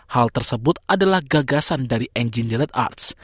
hal tersebut adalah gagasan dari engineert arts